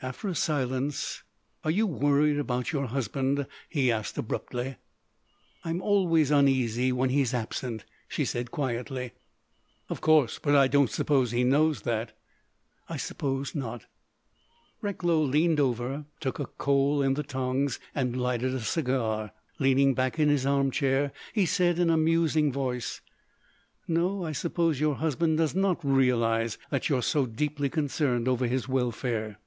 After a silence: "Are you worried about your husband?" he asked abruptly. "I am always uneasy when he is absent," she said quietly. "Of course.... But I don't suppose he knows that." "I suppose not." Recklow leaned over, took a coal in the tongs and lighted a cigar. Leaning back in his armchair, he said in a musing voice: "No, I suppose your husband does not realise that you are so deeply concerned over his welfare."